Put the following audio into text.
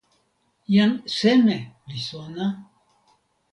jan seme li sona?